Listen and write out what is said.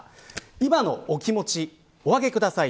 今のお気持ちお上げください。